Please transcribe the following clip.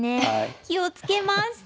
気を付けます！